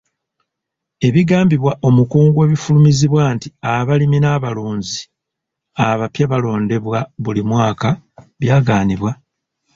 Ebigambibwa omukungu w'ebifulumizibwa nti abalimi n'abalunzi abapya balondebwa buli mwaka byagaanibwa.